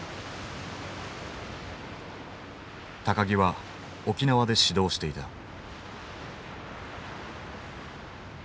木は沖縄で始動していた。